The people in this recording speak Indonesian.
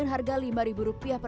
buat air bersih